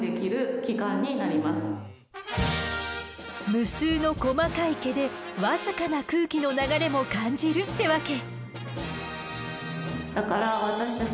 無数の細かい毛で僅かな空気の流れも感じるってわけ。